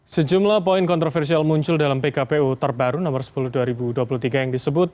sejumlah poin kontroversial muncul dalam pkpu terbaru nomor sepuluh dua ribu dua puluh tiga yang disebut